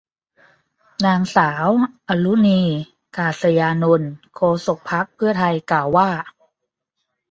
นางสาวอรุณี กาสยานนท์ โฆษกพรรคเพื่อไทย กล่าวว่า